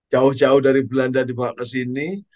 jauh jauh dari belanda dibawa ke sini